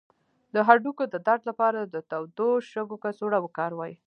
د هډوکو د درد لپاره د تودو شګو کڅوړه وکاروئ